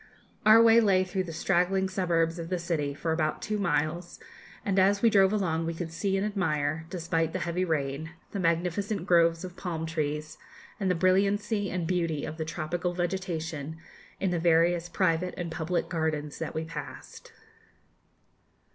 Our way lay through the straggling suburbs of the city for about two miles, and as we drove along we could see and admire, despite the heavy rain, the magnificent groves of palm trees, and the brilliancy and beauty of the tropical vegetation in the various private and public gardens that we passed.